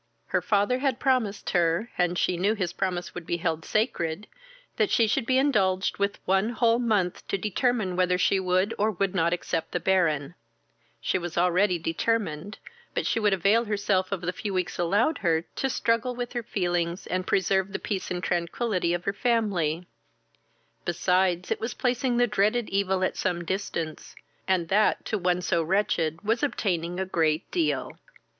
Her father had promised her, and she knew his promise would be held sacred, that she should indulged with one whole month to determine whether she would or would not accept the Baron: she was already determined, but she would avail herself of the few weeks allowed her to struggle with her feelings, and preserve the peace and tranquility of her family; besides, it was placing the dreaded evil at some distance, and that to one so wretched was obtaining a great deal.